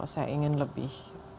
saya ingin lebih